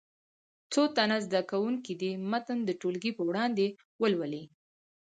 څو تنه زده کوونکي دې متن د ټولګي په وړاندې ولولي.